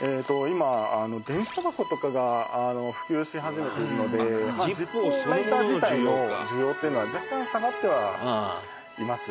今電子タバコとかが普及し始めているのでジッポーライター自体の需要っていうのは若干下がってはいます」